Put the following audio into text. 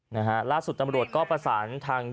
นะฮะล่าสุดตำรวจก็ประสานทาง